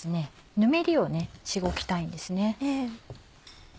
ぬめりをしごきたいんです。